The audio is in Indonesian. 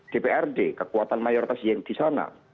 dprd kekuatan mayoritas yang disana